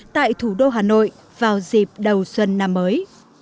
tại thủ đô hà nội vào dịp đầu xuân năm mới